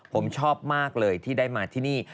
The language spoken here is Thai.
ผมชอบมากเลยที่ได้มาที่นี่